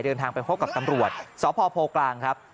เดินทางไปพบกับตำรวจสพโพกลางครับ